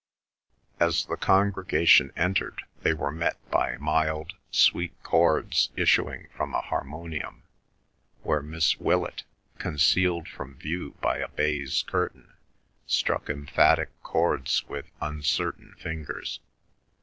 As the congregation entered they were met by mild sweet chords issuing from a harmonium, where Miss Willett, concealed from view by a baize curtain, struck emphatic chords with uncertain fingers.